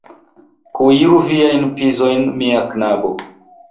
Kuiru viajn pizojn, mia knabo!